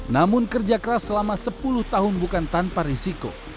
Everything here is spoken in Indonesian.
namun kerja keras selama sepuluh tahun bukan tanpa risiko